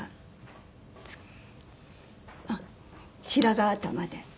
あっ白髪頭で。